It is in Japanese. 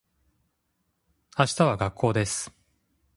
明日は学校です